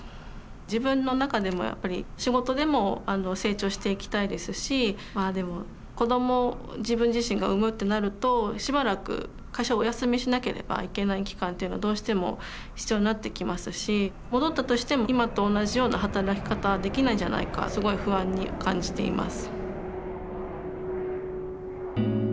自分の中でもやっぱり仕事でも成長していきたいですしまあでも子どもを自分自身が産むってなるとしばらく会社をお休みしなければいけない期間というのはどうしても必要になってきますし戻ったとしても今と同じような働き方はできないんじゃないかすごい不安に感じています。